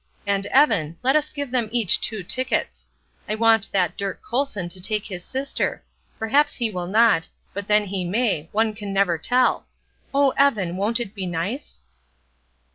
And Evan, let us give them each two tickets. I want that Dirk Colson to take his sister; perhaps he will not, but then he may; one can never tell. Oh, Evan, won't it be nice?"